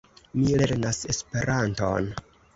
Mi lernas Esperanton.